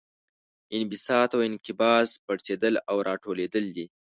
انبساط او انقباض پړسیدل او راټولیدل دي.